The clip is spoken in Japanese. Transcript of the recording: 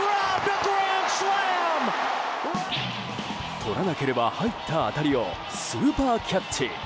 取らなければ入った当たりをスーパーキャッチ。